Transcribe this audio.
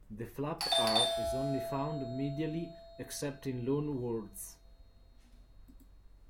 The flap "r" is only found medially except in loan words.